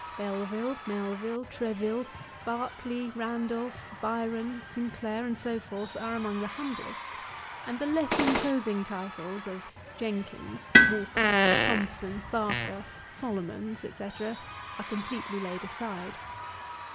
Belville, Melville, Treville, Berkeley, Randolph. Byron, St. Clair, and so forth, are among the humblest ; and the less imposing titles of Jenkins, Walker, Thomson, Barker, Solomons, &c., are completely laid aside.